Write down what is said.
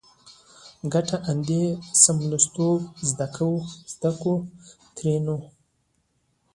کټه اندي څملستوب زده کو؛ ترينو